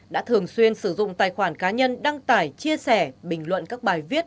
đã thường xuyên sử dụng tài khoản cá nhân đăng tải chia sẻ bình luận các bài viết